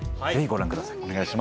ぜひご覧ください。